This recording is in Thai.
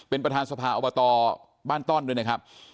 เป็นประธานสภาอบตบ้านต้อนด้วยนะครับ